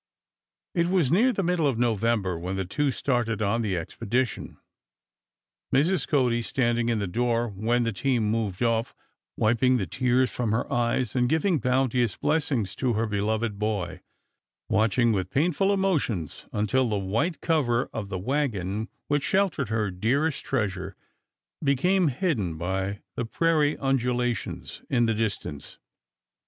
It was near the middle of November when the two started on the expedition, Mrs. Cody standing in the door when the team moved off, wiping the tears from her eyes and giving bounteous blessings to her beloved boy, watching with painful emotions until the white cover of the wagon which sheltered her dearest treasure became hidden by the prairie undulations in the distance.